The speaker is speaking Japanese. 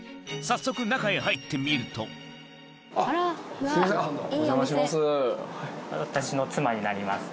秡畭中へ入ってみると△叩お邪魔します。